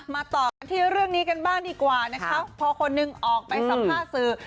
ต่อกันที่เรื่องนี้กันบ้างดีกว่านะคะพอคนหนึ่งออกไปสัมภาษณ์สื่อ